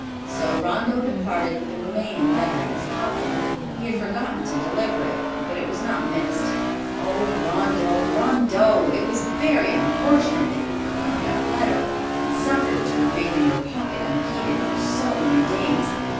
So Rondeau departed with the remaining letter in his pocket. He had forgotten to deliver it, but it was not missed. Oh, Rondeau, Rondeau! It was very unfortunate that you forgot that letter, and suffered it to remain in your pocket unheeded for so many days.